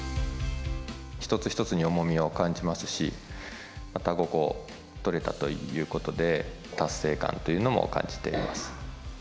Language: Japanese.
一つ一つに重みを感じますし、また５個とれたということで、達成感というのも感じています。